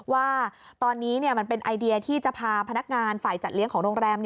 ว่าตอนนี้มันเป็นไอเดียที่จะพาพนักงานฝ่ายจัดเลี้ยงของโรงแรม